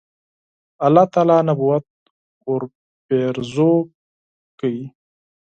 الله تعالی نبوت ورپېرزو کړ.